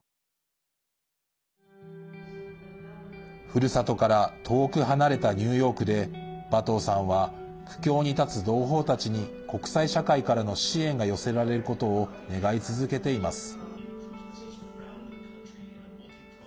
ふるさとから遠く離れたニューヨークでバトゥさんは苦境に立つ同胞たちに国際社会からの支援が寄せられることを願い続けています。